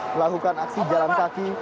melakukan aksi jalan kaki